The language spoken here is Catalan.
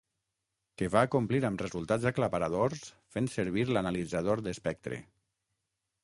Que va acomplir amb resultats aclaparadors fent servir l'analitzador d'espectre.